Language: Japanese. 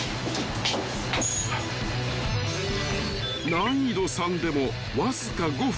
［難易度３でもわずか５分］